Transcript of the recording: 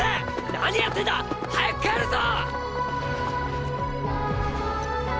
何やってんだ早く帰るぞ！！